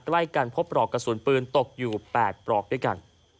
ใกล้กันพบปลอกกระสุนปืนตกอยู่๘ปลอกด้วยกัน